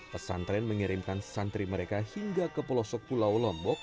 pesantren mengirimkan santri mereka hingga ke pelosok pulau lombok